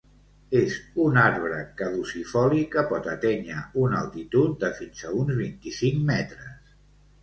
És un arbre caducifoli que pot atènyer una altitud de fins a uns vint-i-cinc metres.